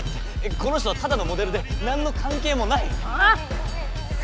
この人はただのモデルでなんの関係もない！